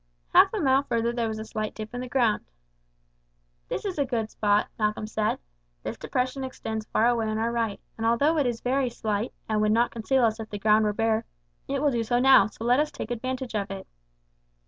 Half a mile further there was a slight dip in the ground. "This is a good spot," Malcolm said. "This depression extends far away on our right, and although it is very slight, and would not conceal us if the ground were bare, it will do so now, so let us take advantage of it."